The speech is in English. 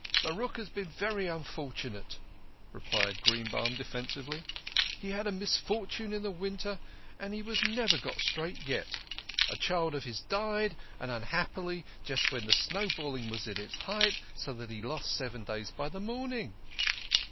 " Baruch has been very unfortunate," replied Greenbaum THE KING OF SCHNORRERS. 76 defensively. " He had a misfortune in the winter, and he has never got straight yet. A child of his died, and, un happily, just when the snowballing was at its height, so that he lost seven days by the mourning."